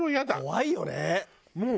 怖いよね。